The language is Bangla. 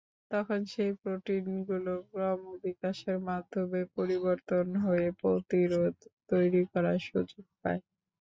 তখন সেই প্রোটিনগুলো ক্রমবিকাশের মাধ্যমে পরিবর্তিত হয়ে প্রতিরোধ তৈরি করার সুযোগ পায়।